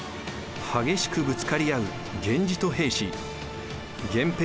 激しくぶつかり合う源氏と平氏源平